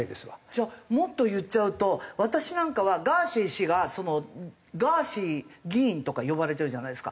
じゃあもっと言っちゃうと私なんかはガーシー氏が「ガーシー議員」とか呼ばれてるじゃないですか。